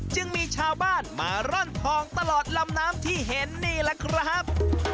จึงมีชาวบ้านมาร่อนทองตลอดลำน้ำที่เห็นนี่แหละครับ